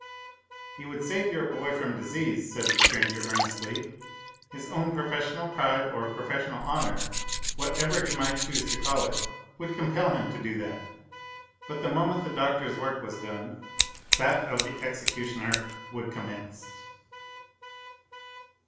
"He would save your boy from disease," said the stranger earnestly, "his own professional pride or professional honour, whatever he might choose to call it, would compel him to do that. But the moment the doctor's work was done, that of the executioner would commence."